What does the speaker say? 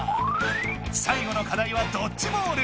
最後の課題はドッジボール。